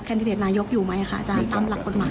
ดิเดตนายกอยู่ไหมคะอาจารย์ตามหลักกฎหมาย